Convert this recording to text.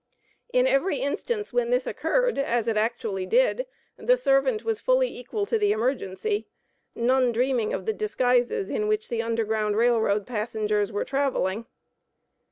In every instance when this occurred, as it actually did, the servant was fully equal to the emergency none dreaming of the disguises in which the Underground Rail Road passengers were traveling.